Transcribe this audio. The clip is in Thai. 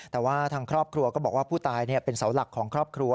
แต่ว่าทางครอบครัวก็บอกว่าผู้ตายเป็นเสาหลักของครอบครัว